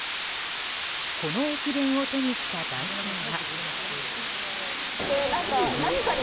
この駅弁を手にした男性は。